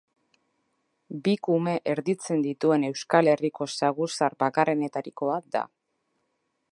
Bi kume erditzen dituen Euskal Herriko saguzar bakarrenetarikoa da.